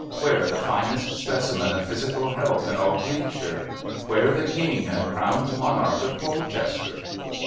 Where the finest specimen of physical health in all Glebeshire? Where the King and Crowned Monarch of Polchester?